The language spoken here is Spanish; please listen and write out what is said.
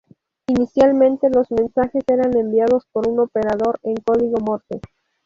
Inicialmente, los mensajes eran enviados por un operador en código Morse.